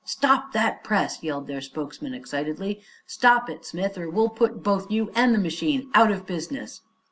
"Stop that press!" yelled their spokesman excitedly. "Stop it, Smith, or we'll put both you and the machine out of business."